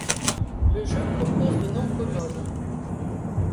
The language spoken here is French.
Le jeu propose de nombreux modes.